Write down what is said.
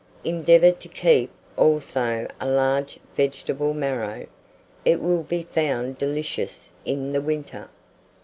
Endeavour to keep also a large vegetable marrow, it will be found delicious in the winter.